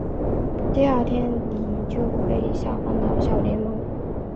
第二天李就被下放到小联盟。